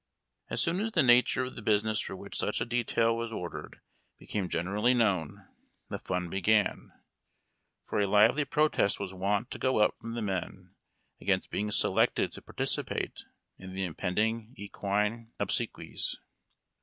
As soon as the nature of the business for which such a detail was ordered became generally known, the fun began, JONAHS AND BEATS. 103 for a lively protest was wont to go up from the men against being selected to participate in the impending equine obse quies.